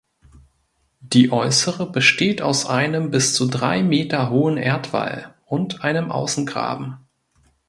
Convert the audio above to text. Die äußere besteht aus einem bis zu drei Meter hohen Erdwall und einem Außengraben.